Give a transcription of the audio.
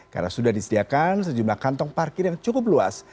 karena sudah disediakan sejumlah kantong parkir yang cukup luas